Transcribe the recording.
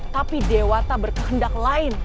tapi dewa tak berkehendak lain